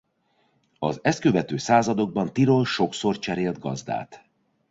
Az ezt követő századokban Tirol sokszor cserélt gazdát.